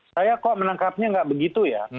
saya kok menangkapnya nggak begitu ya